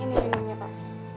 ini minumnya pak